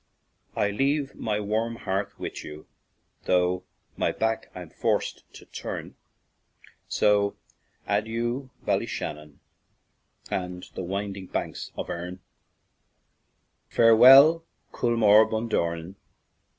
I leave my warm heart with you, tho' my back I'm forced to turn, So adieu to Ballyshannon and the winding banks of Erne! "Farewell, Coolmore — Bundoran!